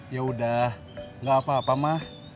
ya udah gak apa apa mah